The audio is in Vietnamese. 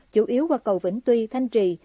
chủ yếu qua cầu vĩnh tuy thanh trì